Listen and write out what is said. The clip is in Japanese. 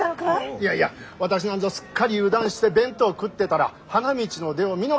いやいや私なんぞすっかり油断して弁当食ってたら花道の出を見逃しちまったよ。